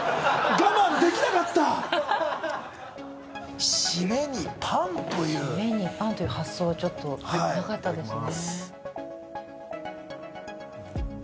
我慢できなかった締めにパンという締めにパンという発想はちょっとなかったですね